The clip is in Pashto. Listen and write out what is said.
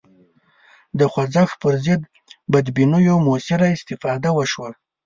د خوځښت پر ضد بدبینیو موثره استفاده وشوه